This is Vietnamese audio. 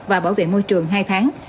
và bảo vệ môi trường hai tháng